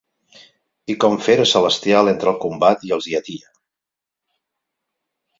I com fera celestial entra al combat i els hi atia.